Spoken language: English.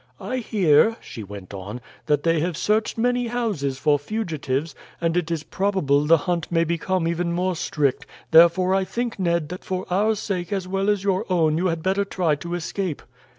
"I hear," she went on, "that they have searched many houses for fugitives, and it is probable the hunt may become even more strict; therefore I think, Ned, that for our sake as well as your own you had better try to escape."